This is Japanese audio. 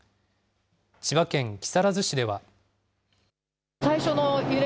千葉県木更津市では。